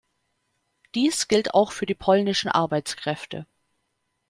Dies gilt auch für die polnischen Arbeitskräfte.